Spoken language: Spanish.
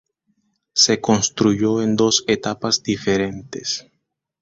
Se construyó en dos etapas diferentes.